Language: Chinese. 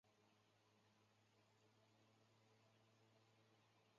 其中一个展出项目为由孵蛋器组成的幼鸡孵化器。